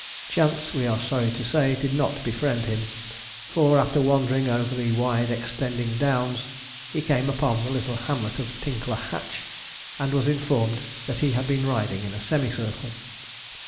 Chance, we are sorry to say, did not befriend him; for, after wandering over the wide extending downs, he came upon the little hamlet of Tinkler Hatch, and was informed that he had been riding in a semicircle.